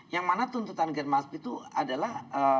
yang mana tuntutan genmasp itu adalah